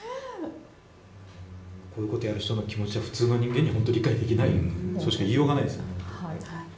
こういうことをやる人の気持ちは普通の人間には本当に理解できないとしか言いようがないですね。